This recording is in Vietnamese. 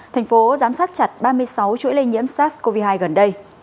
thành phố giám sát chặt ba mươi sáu chuỗi lây nhiễm sars cov hai gần đây